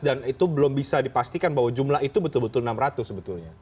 dan itu belum bisa dipastikan bahwa jumlah itu betul betul enam ratus sebetulnya